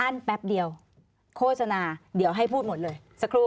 แป๊บเดียวโฆษณาเดี๋ยวให้พูดหมดเลยสักครู่